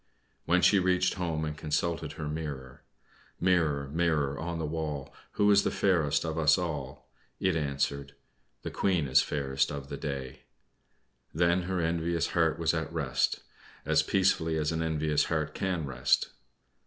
When she reached home and consulted her mirror "Mirror, mirror on the wall, Who is the fairest of us all?" it answered: "The Queen is fairest of the day." Then her envious heart was at rest, as peacefully as an envious heart can rest.